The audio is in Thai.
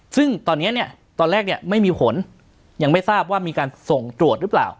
ซึ่งตอนนี้เนี่ยตอนแรกเนี่ยไม่มีผลยังไม่ทราบว่ามีการส่งตรวจหรือเปล่า